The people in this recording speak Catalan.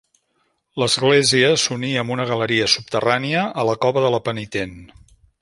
L'església s'uní amb una galeria subterrània a la cova de la penitent.